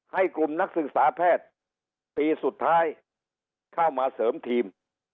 ให้กลุ่มนักศึกษาแพทย์ปีสุดท้ายเข้ามาเสริมทีม